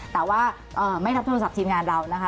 แต่ว่าไม่รับโทรศัพท์ทีมงานเรานะคะ